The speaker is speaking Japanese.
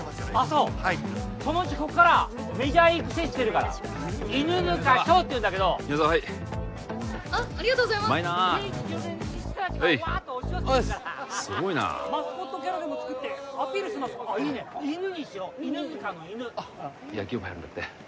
そうそのうちこっからメジャーへ行く選手出るから犬塚翔っていうんだけど宮沢はいあっありがとうございますうまいなあはいおいっすすごいなマスコットキャラでもつくってアピールしますかいいね犬にしよう犬塚の犬野球部入るんだって？